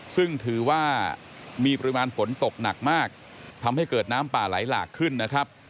ซึ่งถือว่ามีปริมาณฝนตกหนักมากทำให้เกิดน้ำป่าไหลหลากขึ้นนะครับ